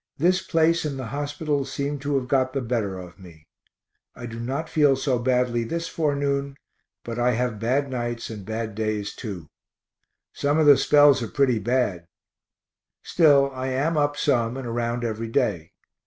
This place and the hospitals seem to have got the better of me. I do not feel so badly this forenoon but I have bad nights and bad days too. Some of the spells are pretty bad still I am up some and around every day.